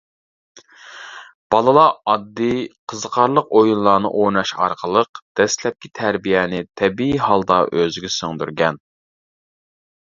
بالىلار ئاددىي، قىزىقارلىق ئويۇنلارنى ئويناش ئارقىلىق دەسلەپكى تەربىيەنى تەبىئىي ھالدا ئۆزىگە سىڭدۈرگەن.